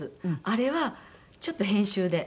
あれはちょっと編集で。